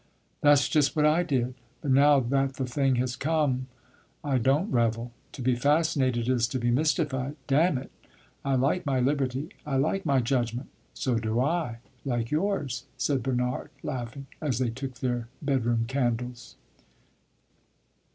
"That's just what I did. But now that the thing has come I don't revel. To be fascinated is to be mystified. Damn it, I like my liberty I like my judgment!" "So do I like yours," said Bernard, laughing, as they took their bedroom candles.